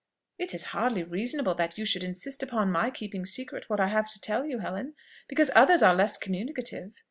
"It is hardly reasonable that you should insist upon my keeping secret what I have to tell you, Helen, because others are less communicative.